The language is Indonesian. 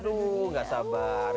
aduh gak sabar